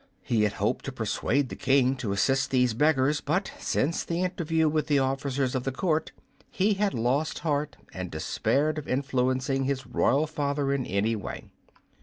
He had hoped to persuade the King to assist these beggars, but since the interview with the officers of the court he had lost heart and despaired of influencing his royal father in any way.